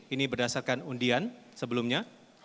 ini berdasarkan undian sebelumnya